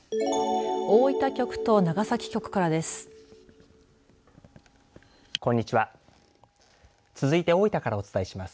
大分局と長崎局からです。